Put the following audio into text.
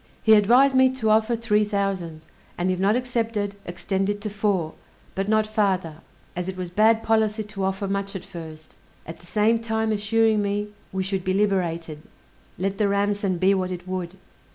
He advised me to offer three thousand, and if not accepted, extend it to four; but not farther, as it was bad policy to offer much at first: at the same time assuring me we should be liberated, let the ransom be what it would.